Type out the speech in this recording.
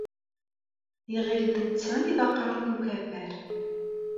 Iɣil d netta i d aqeṛṛu n ukabar.